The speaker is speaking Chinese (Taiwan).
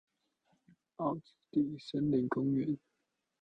凹子底森林公園